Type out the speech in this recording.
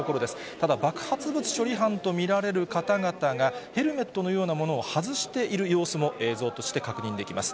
ただ、爆発物処理班と見られる方々が、ヘルメットのようなものを外している様子も映像として確認できます。